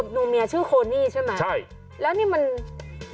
ตัวหนูเมียชื่อโคนิใช่ไหมแล้วนี่มันใช่